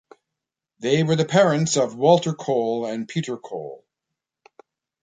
They were the parents of Walter Kohl and Peter Kohl.